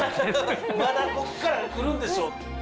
まだここから来るんでしょう。